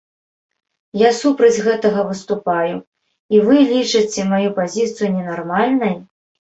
Я супраць гэтага выступаю, і вы лічыце маю пазіцыю ненармальнай?